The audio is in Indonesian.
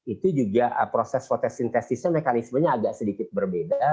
itu juga proses fotosintesisnya mekanismenya agak sedikit berbeda